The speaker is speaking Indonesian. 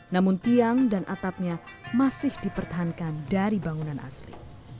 namun tiang dan atapnya masih dipertahankan dari bangunan asli